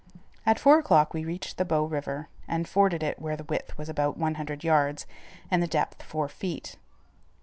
At four o'clock we reached the Bow River, and forded it where the width was about one hundred yards, and the depth four feet.